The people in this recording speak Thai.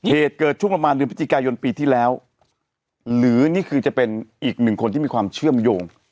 เหตุเกิดช่วงประมาณเดือนพฤศจิกายนปีที่แล้วหรือนี่คือจะเป็นอีกหนึ่งคนที่มีความเชื่อมโยง